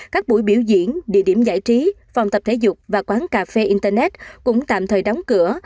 các buổi biểu diễn địa điểm giải trí phòng tập thể dục và quán cà phê internet cũng tạm thời đóng cửa